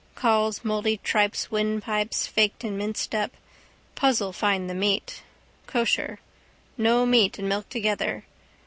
Cauls mouldy tripes windpipes faked and minced up. Puzzle find the meat. Kosher. No meat and milk together.